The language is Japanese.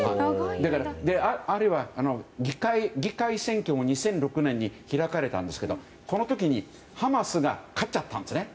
あるいは、議会選挙も２００６年に開かれたんですけどこの時にハマスが勝っちゃったんですね。